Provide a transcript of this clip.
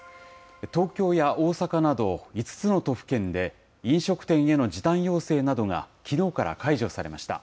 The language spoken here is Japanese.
東京や大阪など５つの都府県で、飲食店への時短要請などがきのうから解除されました。